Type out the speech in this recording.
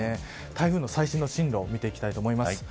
台風の最新の進路見ていきたいと思います。